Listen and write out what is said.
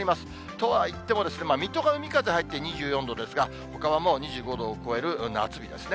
とはいってもですね、水戸が海風入って２４度ですが、ほかはもう２５度を超える夏日ですね。